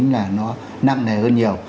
là nó nặng này hơn nhiều